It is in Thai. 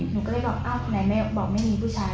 หนูก็เลยบอกอ้าวไหนบอกไม่มีผู้ชาย